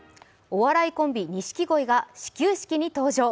お笑いコンビ、錦鯉が始球式に登場。